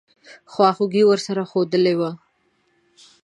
خواخوږي ورسره ښودلې وه.